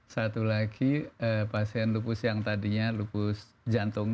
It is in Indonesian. satu lagi pasien lupus yang tadinya lupus jantung